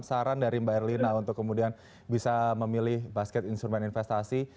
saran dari mbak erlina untuk kemudian bisa memilih basket instrumen investasi